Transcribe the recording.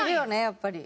やっぱり。